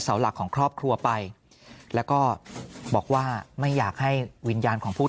หลักของครอบครัวไปแล้วก็บอกว่าไม่อยากให้วิญญาณของผู้